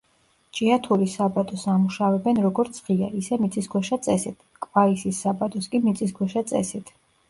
ჭიათურის საბადოს ამუშავებენ როგორც ღია, ისე მიწისქვეშა წესით, კვაისის საბადოს კი მიწისქვეშა წესით.